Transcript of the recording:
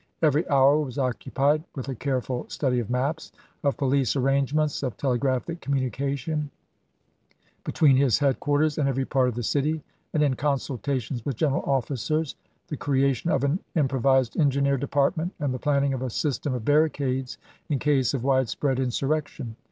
Every hour was occupied with a careful study of maps, of police arrangements, of tele graphic communication between his headquarters and every part of the city, and in consultations with general officers, the creation of an improvised engineer department, and the planning of a system of barricades in case of widespread insurrection.